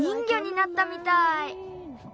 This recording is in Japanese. ぎょになったみたい。